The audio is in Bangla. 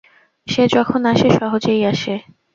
সে যখন আসে সহজেই আসে।